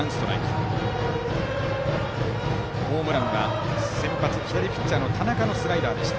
ホームランは先発左ピッチャーの田中のスライダーでした。